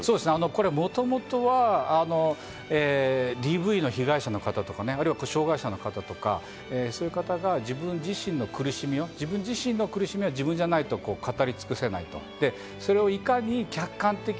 これ、もともとはＤＶの被害者とか、障害者の方とか、そういう方が自分自身の苦しみは自分じゃないと語り尽くせない。